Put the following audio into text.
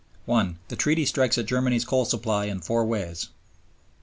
(1) The Treaty strikes at Germany's coal supply in four ways: (i.)